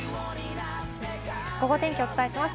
ゴゴ天気、お伝えします。